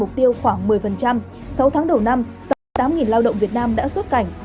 mục tiêu khoảng một mươi sáu tháng đầu năm sáu mươi tám lao động việt nam đã xuất cảnh